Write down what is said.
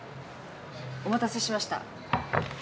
お待たせしました。